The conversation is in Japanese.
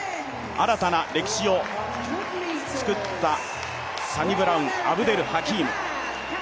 新たな歴史を作ったサニブラウン・アブデル・ハキーム。